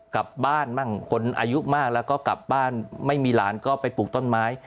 กลับบ้านบ้างคนอายุมากแล้วก็กลับบ้านไม่มีหลานก็ไปปลูกต้นไม้